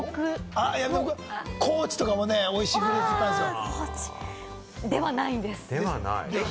高知とかもね、おいしいフルーツあるんですよ。